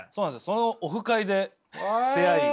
そのオフ会で出会い。